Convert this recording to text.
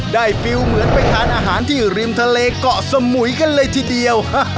ฟิวเหมือนไปทานอาหารที่ริมทะเลเกาะสมุยกันเลยทีเดียว